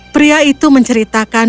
pria itu menceritakan